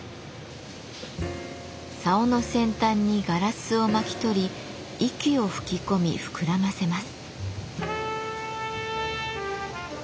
さおの先端にガラスを巻き取り息を吹き込み膨らませます。